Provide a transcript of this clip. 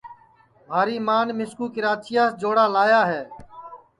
مھاری مان مِسکُو کراچیاس جوڑا لایا ہے